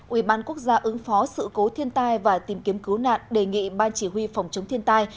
ủy ban quốc gia ứng phó sự cố thiên tai và tìm kiếm cứu nạn đề nghị ban chỉ huy phòng chống thiên tai